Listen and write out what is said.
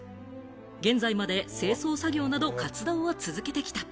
現在まで清掃作業など活動を続けてきた。